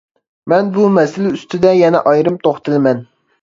مەن بۇ مەسىلە ئۈستىدە يەنە ئايرىم توختىلىمەن.